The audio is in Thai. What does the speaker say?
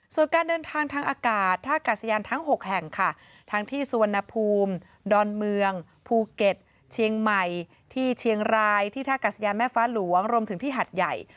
ส่วนการเดินทางทางอากาศท่ากาศยานทั้ง๖แห่งค่ะทั้งที่สุวรรณภูมิดอนเมืองภูเก็ตเชียงใหม่ที่เชียงรายที่ท่ากาศยานแม่ฟ้าหลวงรวมถึงที่หัดใหญ่